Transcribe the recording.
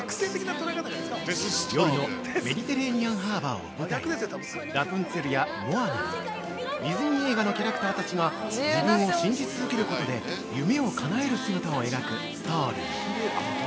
◆夜のメディテレーニアンハーバーを舞台に、「ラプンツェル」や「モアナ」など、ディズニー映画のキャラクターたちが自分を信じ続けることで夢をかなえる姿を描くストーリー。